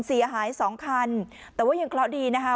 เสียหายสองคันแต่ว่ายังเคราะห์ดีนะคะ